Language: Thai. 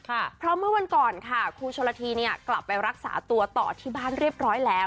เพราะเมื่อวันก่อนค่ะครูชนละทีเนี่ยกลับไปรักษาตัวต่อที่บ้านเรียบร้อยแล้ว